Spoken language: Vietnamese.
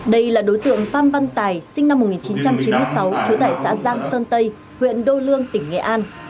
đây là đối tượng phan văn tài sinh năm một nghìn chín trăm chín mươi sáu trú tại xã giang sơn tây huyện đô lương tỉnh nghệ an